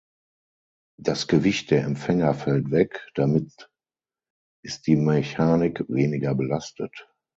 Das Gewicht der Empfänger fällt weg, damit ist die Mechanik weniger belastet.